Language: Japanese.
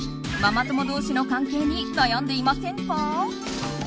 ママ友同士の関係に悩んでいませんか？